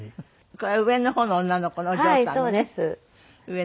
これ上の方の女の子のお嬢さんね。